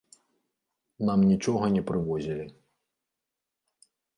Нам нічога не прывозілі.